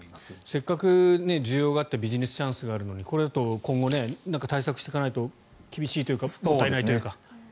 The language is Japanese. せっかく需要があってビジネスチャンスがあるのにこれだと今後、対策していかないと厳しいというかもったいないというか。